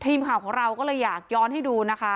ทีมข่าวของเราก็เลยอยากย้อนให้ดูนะคะ